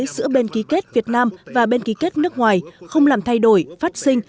giữa bên ký kết việt nam và bên ký kết nước ngoài không làm thay đổi phát sinh